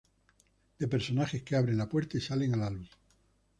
De personajes que abren la puerta y salen a la luz.